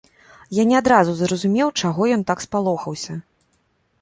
Я не адразу зразумеў, чаго ён так спалохаўся.